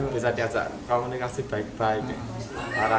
bisa diajak komunikasi baik baik